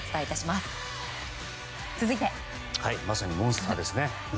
まさにモンスターですね。